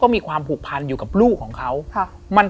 มีความผูกพันอยู่กับลูกของเขา